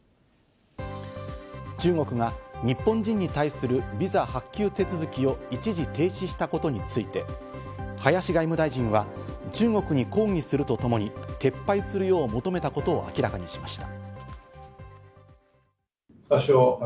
中国が日本人に対するビザ発給手続きを一時停止したことについて、林外務大臣は中国に抗議すると共に、撤廃するよう求めたことを明らかにしました。